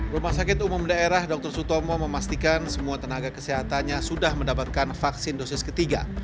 rumah sakit umum daerah dr sutomo memastikan semua tenaga kesehatannya sudah mendapatkan vaksin dosis ketiga